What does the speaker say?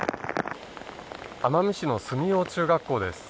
奄美市の住用中学校です。